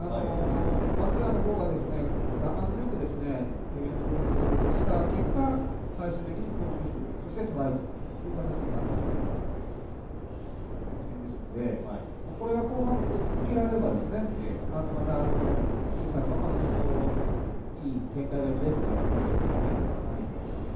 早稲田のほうが我慢強くディフェンスした結果最終的に向こうのミスそして、トライという形になった得点ですのでこれが後半もずっと続けられればまた、僅差のままずっといい展開が見れるんじゃないかと思いますね。